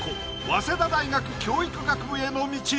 早稲田大学教育学部への道